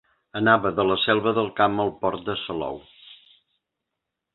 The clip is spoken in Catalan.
Anava de la Selva del Camp al port de Salou.